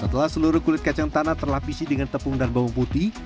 setelah seluruh kulit kacang tanah terlapisi dengan tepung dan bawang putih